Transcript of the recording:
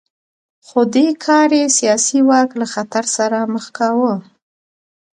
خو دې کار یې سیاسي واک له خطر سره مخ کاوه